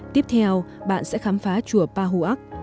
tiếp theo bạn sẽ khám phá chùa pa hu ak